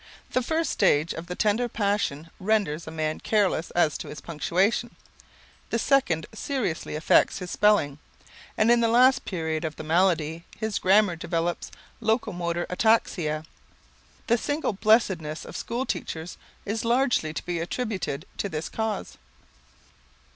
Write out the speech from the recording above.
The first stage of the tender passion renders a man careless as to his punctuation, the second seriously affects his spelling, and in the last period of the malady, his grammar develops locomotor ataxia. The single blessedness of school teachers is largely to be attributed to this cause.